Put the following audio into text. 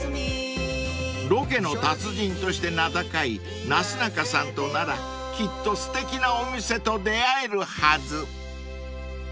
［ロケの達人として名高いなすなかさんとならきっとすてきなお店と出会えるはず］